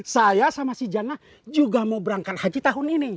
saya sama si janah juga mau berangkat haji tahun ini